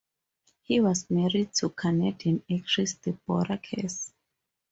He was married to Canadian actress Deborah Cass.